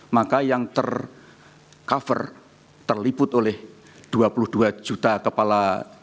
maka yang tercover terliput oleh dua puluh dua juta kepala